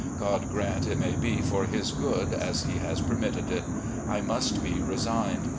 God grant it may be for his good as He has permitted it. I must be resigned.